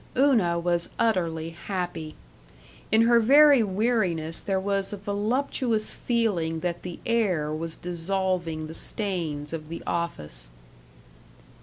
Una was utterly happy. In her very weariness there was a voluptuous feeling that the air was dissolving the stains of the office.